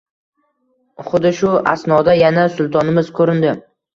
Xuddi shu asnoda yana sultonimiz ko`rindi